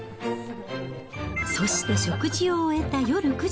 そして食事を終えた夜９時。